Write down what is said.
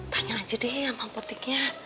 tanya aja deh yang apoteknya